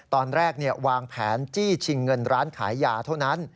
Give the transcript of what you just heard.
ตอนแรกวางแผนจี้ชิงเงินร้านขายยาเท่านั้น